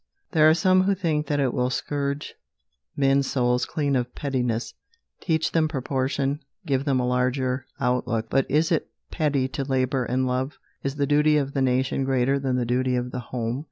There are some who think that it will scourge men's souls clean of pettiness, teach them proportion, give them a larger outlook. But is it petty to labour and love? Is the duty of the nation greater than the duty of the home?